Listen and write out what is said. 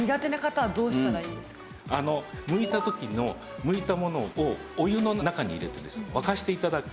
むいた時のむいたものをお湯の中に入れてですね沸かして頂く。